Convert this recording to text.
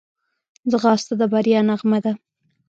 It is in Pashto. ځغاسته د بریا نغمه ده